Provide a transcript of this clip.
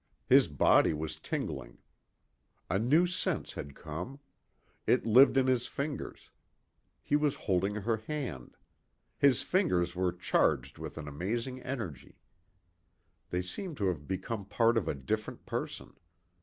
His body was tingling. A new sense had come. It lived in his fingers. He was holding her hand. His fingers were charged with an amazing energy. They seemed to have become part of a different person.